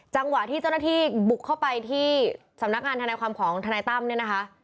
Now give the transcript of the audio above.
จังหวะที่เจ้าหน้าที่บุกเข้าไปที่สำนักงานธนายความของทนายตั้มเนี่ยนะคะ